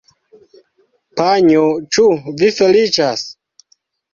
Panjo, ĉu vi feliĉas?